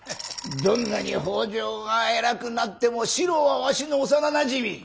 どんなに北条が偉くなっても四郎はわしの幼なじみ。